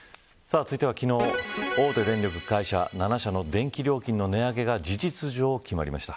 続いては昨日、大手電力会社７社の電気料金の値上げが事実上決まりました。